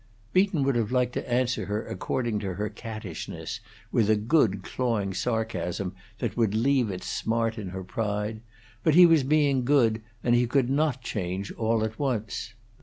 Beaton would have liked to answer her according to her cattishness, with a good clawing sarcasm that would leave its smart in her pride; but he was being good, and he could not change all at once.